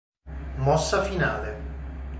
Mossa finale